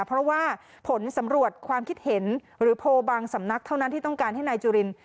เพราะว่าผลสำรวจความคิดเห็นหรือโพลบางสำนักเท่านั้นที่ต้องการให้นายจุริน